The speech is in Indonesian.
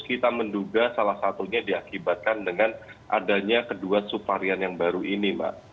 kita menduga salah satunya diakibatkan dengan adanya kedua subvarian yang baru ini mbak